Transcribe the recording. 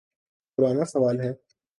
پرانا سوال ہے۔